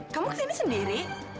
kamu kesini sendiri